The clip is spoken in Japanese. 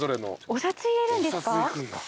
お札入れるんですか？